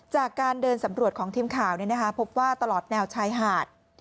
จากการเดินสำรวจของทีมข่าวพบว่าตลอดแนวชายหาด